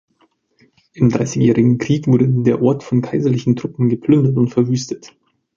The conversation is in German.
Im Dreißigjährigen Krieg wurde der Ort von kaiserlichen Truppen geplündert und verwüstet.